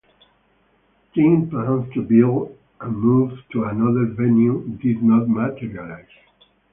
Team plans to build and move to another venue did not materialize.